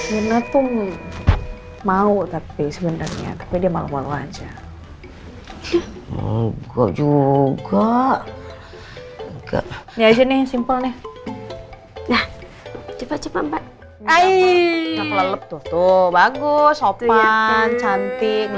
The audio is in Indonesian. mana mau tapi sebenarnya tapi dia mau aja juga sini simpel nih cepat cepat bagus cepat cantik